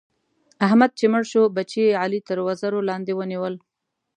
احمد چې مړ شو؛ بچي يې علي تر وزر باندې ونيول.